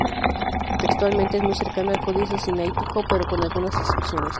Textualmente es muy cercano al Códice Sinaítico, pero con algunas excepciones.